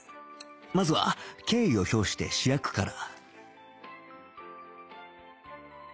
まずは敬意を表して主役から